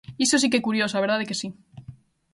Iso si que é curioso, a verdade que si.